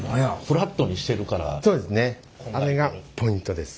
あれがポイントです。